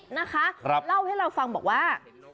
นะคะเล่าให้เราฟังบอกว่า